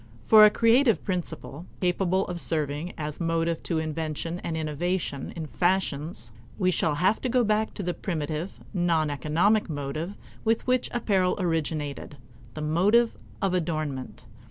For a creative principle, capable of serving as motive to invention and innovation in fashions, we shall have to go back to the primitive, non economic motive with which apparel originated the motive of adornment.